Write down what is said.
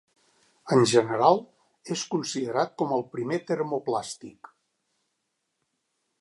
En general és considerat com el primer termoplàstic.